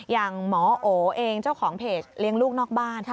อย่างหมอโอเองเจ้าของเพจเลี้ยงลูกนอกบ้าน